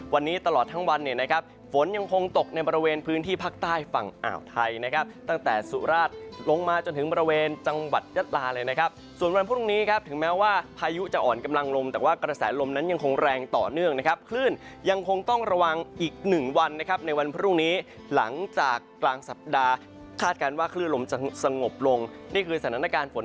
วันนี้ตลอดทั้งวันเนี่ยนะครับฝนยังคงตกในบริเวณพื้นที่ภาคใต้ฝั่งอาวไทยนะครับตั้งแต่สุราชลงมาจนถึงบริเวณจังหวัดยัตราเลยนะครับส่วนวันพรุ่งนี้ครับถึงแม้ว่าพายุจะอ่อนกำลังลมแต่ว่ากระแสลมนั้นยังคงแรงต่อเนื่องนะครับคลื่นยังคงต้องระวังอีกหนึ่งวันนะครับในวันพรุ่งน